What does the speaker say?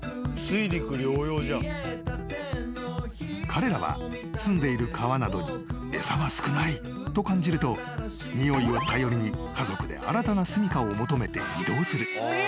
［彼らはすんでいる川などに餌が少ないと感じるとにおいを頼りに家族で新たなすみかを求めて移動する］